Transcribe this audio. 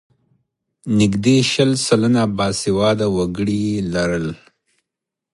نږدې شل سلنه باسواده وګړي یې لرل.